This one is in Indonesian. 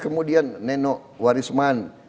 kemudian nenok warisman